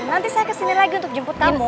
nanti saya kesini lagi untuk jemput kamu